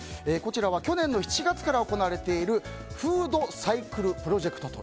去年の７月から行われているフードサイクルプロジェクト。